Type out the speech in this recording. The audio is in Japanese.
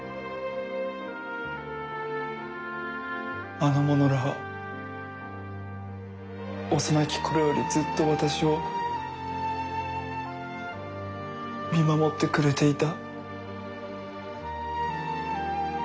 あの者らは幼き頃よりずっと私を見守ってくれていた。